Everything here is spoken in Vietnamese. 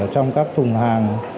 trong các thùng hàng